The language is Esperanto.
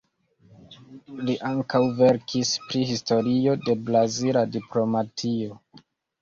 Li ankaŭ verkis pri historio de brazila diplomatio.